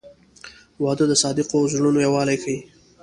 • واده د صادقو زړونو یووالی ښیي.